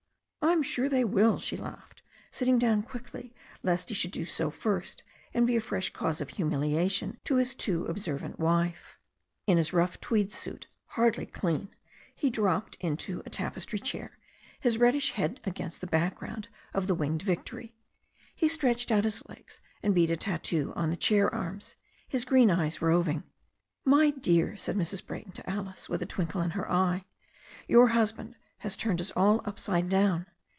"I'm sure they will," she laughed, sitting down quickly, lest he should do so first, and be a fresh cause of humilia tion to his too observant wife. In his rough tweed suit, hardly clean, he dropped into a tapestry chair, his reddish head against a background of "The Winged Victory." He stretched out his legs, and beat a tattoo on the chair arms, his green eyes roving. "My dear," said Mrs. Brayton to Alice, with a twinkle in her eye, "your husband has turned us all upside down.